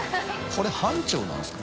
これ半丁なんですか？